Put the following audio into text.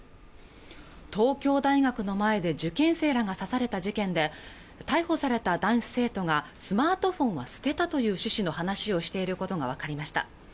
東京大学の前で受験生らが刺された事件で逮捕された男子生徒がスマートフォンは捨てたという趣旨の話をしていることが分かりました